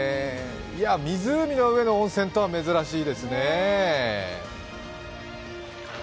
湖の上の温泉とは珍しいですね。